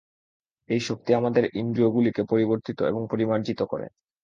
এই শক্তি আমাদের ইন্দ্রিয়গুলিকে পরিবর্তিত এবং পরিমার্জিত করে।